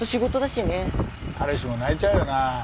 彼氏も泣いちゃうよな。